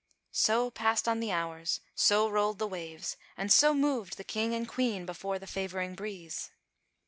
So passed on the hours, so rolled the waves, and so moved the King and Queen before the favouring breeze.